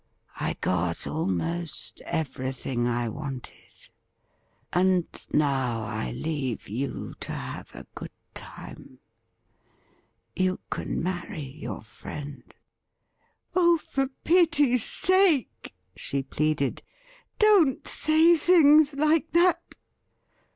I got almost every thing I wanted, and now I leave you to have a good time. You can marry your friend.' ' Oh, for pity's sake,' she pleaded, ' don't say things like that